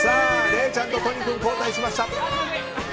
礼ちゃんと都仁君交代しました。